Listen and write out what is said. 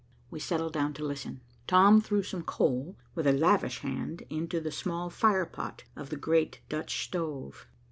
We settled down to listen. Tom threw some coal, with a lavish hand, into the small firepot of the great Dutch stove.